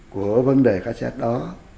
của vấn đề cái xét đó